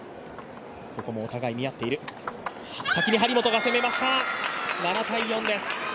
先に張本が攻めました、７−４です。